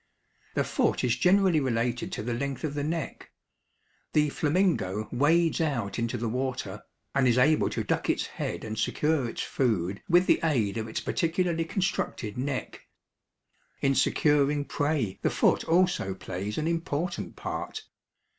The foot is generally related to the length of the neck. The flamingo wades out into the water, and is able to duck its head and secure its food with the aid of its particularly constructed neck. In securing prey the foot also plays an important part.